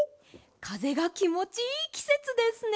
かぜがきもちいいきせつですね。